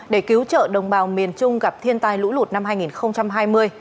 để cứu trợ đồng bào miền trung gặp thiên tai lũ lụt năm hai nghìn hai mươi